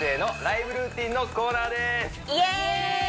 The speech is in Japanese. イエーイ